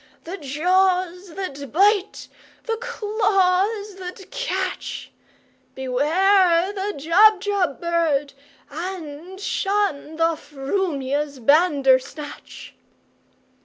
The jaws that bite, the claws that catch! Beware the Jubjub bird, and shunThe frumious Bandersnatch!"